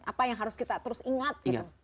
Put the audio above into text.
apa yang harus kita terus ingat